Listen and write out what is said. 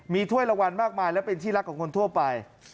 มีถ้วยรางวัลมากมายและเป็นที่รักของคนทั่วไป